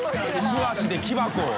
素足で木箱を。